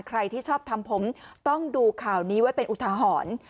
ใครที่ชอบทำผมต้องดูข่าวนี้ไว้เป็นอุทาหรณ์